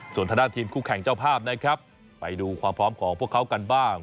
ส่วนทางด้านทีมคู่แข่งเจ้าภาพนะครับไปดูความพร้อมของพวกเขากันบ้าง